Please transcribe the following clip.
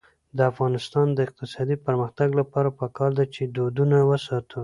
د افغانستان د اقتصادي پرمختګ لپاره پکار ده چې دودونه وساتو.